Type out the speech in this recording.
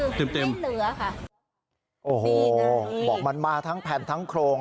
เต็มเต็มเหลือค่ะโอ้โหบอกมันมาทั้งแผ่นทั้งโครง